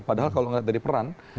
padahal kalau melihat dari peran